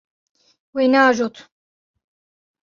Wê neajot.